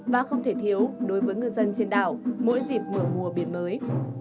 và không thể thiếu đối với ngư dân trên đảo mỗi dịp mở mùa biển mới